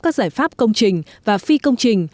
các giải pháp công trình và phi công trình